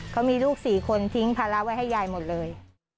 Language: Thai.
เขามีลูก๔คนทิ้งภาระไว้ให้ยายหมดเลย